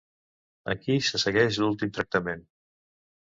Aquí se segueix l'últim tractament.